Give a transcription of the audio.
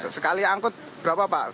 sekali angkut berapa pak